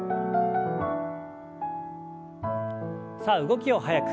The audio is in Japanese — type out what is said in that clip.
さあ動きを速く。